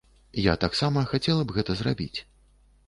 Я таксама хацела б гэта зрабіць.